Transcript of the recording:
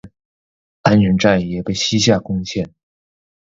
安远寨也被西夏攻陷。